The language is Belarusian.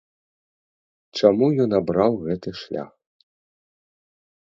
Чаму ён абраў гэты шлях?